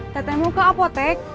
teteh mau ke apotek